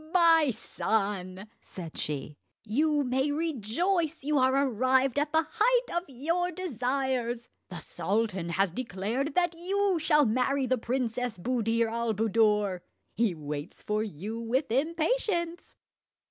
"My son," said she, "you may rejoice you are arrived at the height of your desires. The sultan has declared that you shall marry the Princess Buddir al Buddoor. He waits for you with impatience."